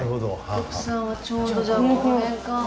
徳さんはちょうどじゃあこの辺か。